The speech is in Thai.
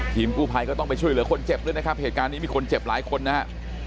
กู้ภัยก็ต้องไปช่วยเหลือคนเจ็บด้วยนะครับเหตุการณ์นี้มีคนเจ็บหลายคนนะฮะ